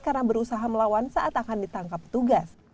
karena berusaha melawan saat akan ditangkap petugas